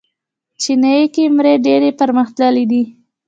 چینايي کیمرې ډېرې پرمختللې دي.